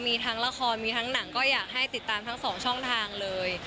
มีทั้งละครมีทั้งหนังก็อยากให้ติดตามทั้งสองช่องทางเลย